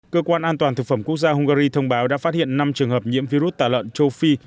cơ quan an toàn thực phẩm quốc gia hungary thông báo đã phát hiện năm trường hợp nhiễm virus tả lợn châu phi